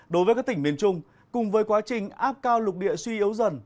đối với các tỉnh miền trung cùng với quá trình áp cao lục địa suy yếu dần